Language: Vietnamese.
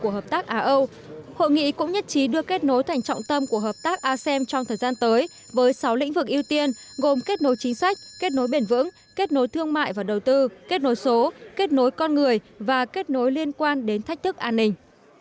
hội nghị cũng nhất trí đưa kết nối thành trọng tâm của hợp tác asem trong thời gian tới với sáu lĩnh vực ưu tiên gồm kết nối chính sách kết nối bền vững kết nối thương mại và đầu tư kết nối số kết nối con người và kết nối liên quan đến thách thức an ninh